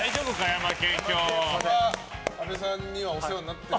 ヤマケンは阿部さんにはお世話になってる？